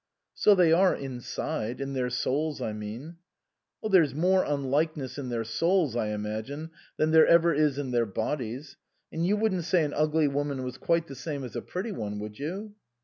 " So they are inside in their souls, I mean." " There's more unlikeness in their souls, I imagine, than there ever is in their bodies ; and you wouldn't say an ugly woman was quite the same as a pretty one, would you